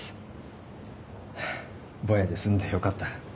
ぼやで済んでよかった。